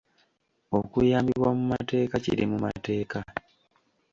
Okuyambibwa mu mateeka kiri mu mateeka.